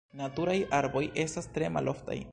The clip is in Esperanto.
Naturaj arboj estas tre maloftaj.